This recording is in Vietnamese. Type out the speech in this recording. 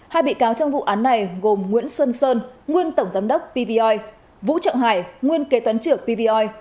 hai bị cáo trong vụ án này gồm nguyễn xuân sơn nguyên tổng giám đốc pvoi vũ trọng hải nguyên kế toán trưởng pvoi